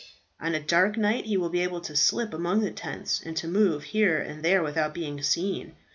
On a dark night he will be able to slip among the tents, and to move here and there without being seen.